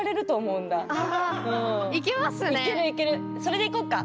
それでいこうか。